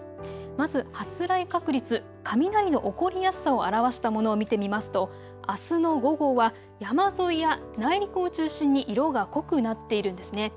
まず発雷確率、雷の起こりやすさを表したもの見てみますとあすの午後は山沿いや内陸を中心に色が濃くなっているんですね。